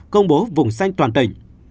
công bố vùng xanh toàn tỉnh